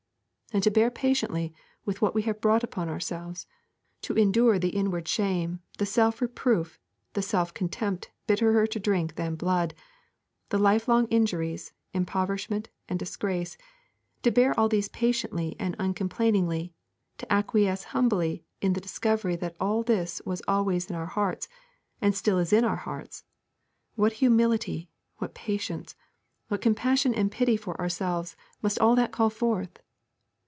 And to bear patiently what we have brought upon ourselves, to endure the inward shame, the self reproof, the self contempt bitterer to drink than blood, the lifelong injuries, impoverishment, and disgrace, to bear all these patiently and uncomplainingly, to acquiesce humbly in the discovery that all this was always in our hearts, and still is in our hearts what humility, what patience, what compassion and pity for ourselves must all that call forth!